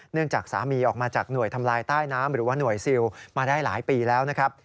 จากสามีออกมาจากหน่วยทำลายใต้น้ำหรือว่าหน่วยซิลมาได้หลายปีแล้วนะครับ